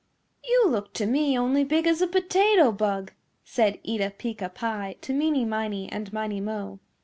"You look to me only big as a potato bug," said Eeta Peeca Pie to Meeney Miney and Miney Mo.